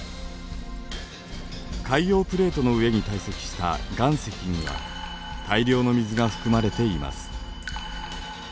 海洋プレートの上に堆積した岩石には大量の水が含まれています。